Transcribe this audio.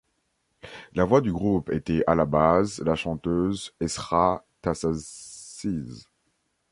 La voix du groupe était à la base la chanteuse Esra Tasasiz.